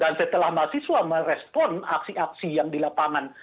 dan setelah mahasiswa merespon aksi aksi yang dilapangan